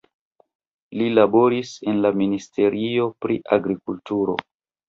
Li laboris en la Ministerio pri Agrikulturo.